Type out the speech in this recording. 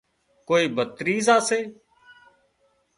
ڪوئي ڀتريزا سي